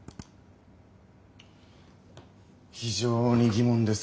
非常に疑問です。